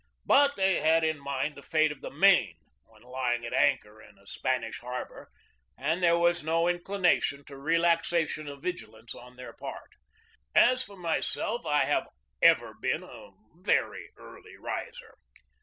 But they had in mind the fate of the Maine when lying at anchor in a Spanish harbor, and there was no inclination to relaxation of vigilance on their part. As for myself, I have ever been a very early riser.